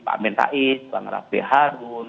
pak amin rais pak ngerapi harun